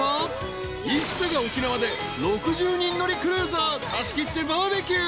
［ＩＳＳＡが沖縄で６０人乗りクルーザー貸し切ってバーベキュー。